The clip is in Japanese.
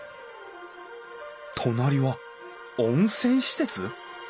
隣は温泉施設？